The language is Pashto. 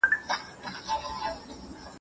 موږ نه غواړو چي جګړه بیا پیل سي.